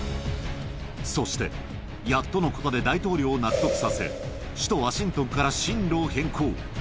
そして、やっとのことで大統領を納得させ、首都ワシントンから進路を変更。